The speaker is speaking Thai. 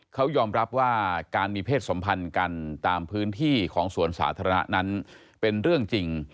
เขายอมรับว่าการมีเพศสัมพันธ์กันตามพื้นที่ของสวนสาธารณะนั้นเป็นเรื่องจริง